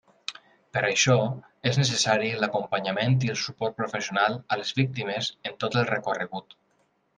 Per a això és necessari l'acompanyament i el suport professional a les víctimes en tot el recorregut.